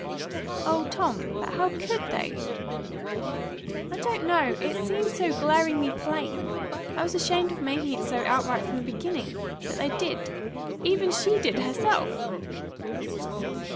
"O Tom! But how COULD they?" "I don't know. It seemed so glaringly plain I was ashamed of making it so outright from the beginning. But they did. Even she did, herself!"